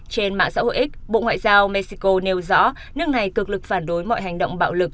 trên mạng xã hội x bộ ngoại giao mexico nêu rõ nước này cực lực phản đối mọi hành động bạo lực